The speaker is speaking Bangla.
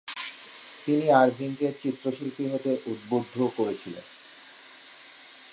তিনি আরভিংকে চিত্রশিল্পী হতে উদ্ধুদ্ধ করেছিলেন।